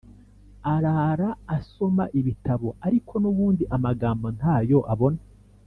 Arara asoma ibitabo ariko nubundi amagambo ntayo abona